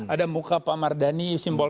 ada muka pak mardani simbol